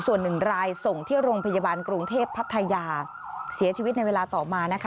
ส่วนหนึ่งรายส่งที่โรงพยาบาลกรุงเทพพัทยาเสียชีวิตในเวลาต่อมานะคะ